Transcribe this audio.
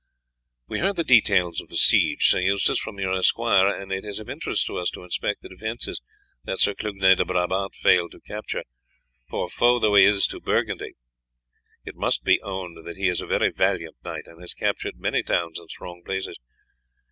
"We heard the details of the siege, Sir Eustace, from your esquire, and it is of interest to us to inspect the defences that Sir Clugnet de Brabant failed to capture, for, foe though he is to Burgundy, it must be owned that he is a very valiant knight, and has captured many towns and strong places.